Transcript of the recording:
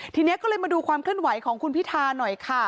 ทีนี้ก็เลยมาดูความเคลื่อนไหวของคุณพิธาหน่อยค่ะ